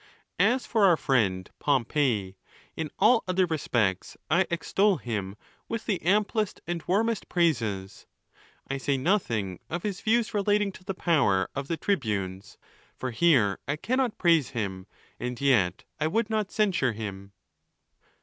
As for our friend Pompey, in all other respects I extol him with the amplest and warmest praises,—I say nothing of his views relating to the power of the tribunes; for here I cannot. praise him, and yet 1 would not censure him.